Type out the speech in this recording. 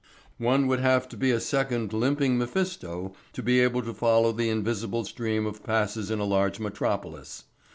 One would have to be a second limping Mephisto to be able to follow the invisible stream of passes in a large metropolis.